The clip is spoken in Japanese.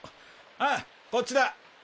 あっこっちだ！